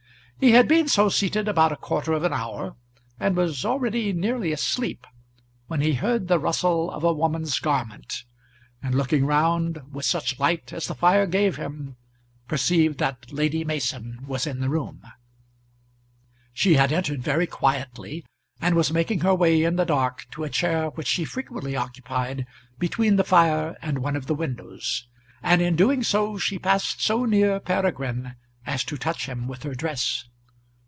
He had been so seated about a quarter of an hour, and was already nearly asleep, when he heard the rustle of a woman's garment, and looking round, with such light as the fire gave him, perceived that Lady Mason was in the room. She had entered very quietly, and was making her way in the dark to a chair which she frequently occupied, between the fire and one of the windows, and in doing so she passed so near Peregrine as to touch him with her dress.